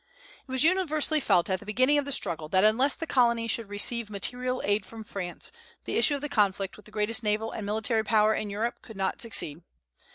It was universally felt at the beginning of the struggle that unless the Colonies should receive material aid from France, the issue of the conflict with the greatest naval and military power in Europe could not succeed.